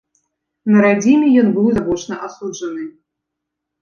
На радзіме ён быў завочна асуджаны.